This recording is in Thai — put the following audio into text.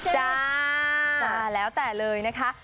จ้าแล้วแต่เลยนะคะ